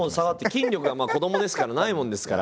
筋力が子どもですからないもんですから。